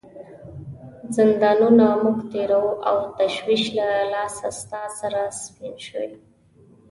زندانونه موږ تیروو او تشویش له لاسه ستا سر سپین شوی.